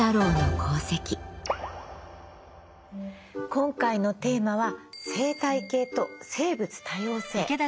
今回のテーマは「生態系と生物多様性」。